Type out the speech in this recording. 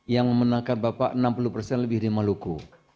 yang memenangkan bapak enam puluh persen lebih dari maluku